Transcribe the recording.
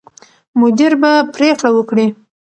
مدیر به پرېکړه وکړي.